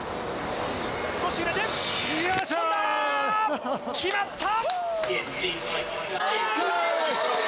少し揺れて、決まった！